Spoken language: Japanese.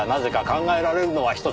考えられるのはひとつ。